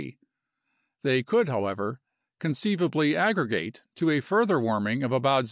They could, however, conceivably aggregate to a further warming of about 0.